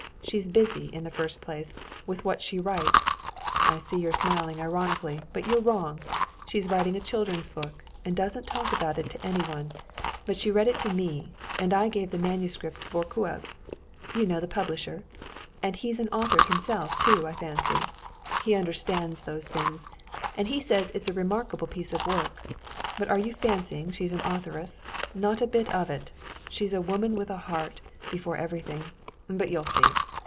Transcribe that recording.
She's busy, in the first place, with what she writes. I see you're smiling ironically, but you're wrong. She's writing a children's book, and doesn't talk about it to anyone, but she read it to me and I gave the manuscript to Vorkuev ... you know the publisher ... and he's an author himself too, I fancy. He understands those things, and he says it's a remarkable piece of work. But are you fancying she's an authoress?—not a bit of it. She's a woman with a heart, before everything, but you'll see.